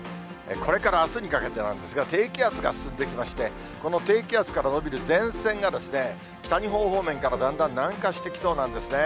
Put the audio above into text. これからあすにかけてなんですが、低気圧が進んできまして、この低気圧から延びる前線が北日本方面からだんだん南下してきそうなんですね。